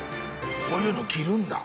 こういうの着るんだ。